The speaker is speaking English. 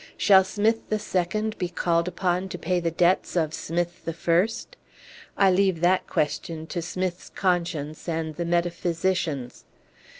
Shall Smith the second be called upon to pay the debts of Smith the first? I leave that question to Smith's conscience and the metaphysicians.